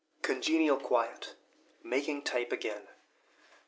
Congenial Quiet. Making Type again.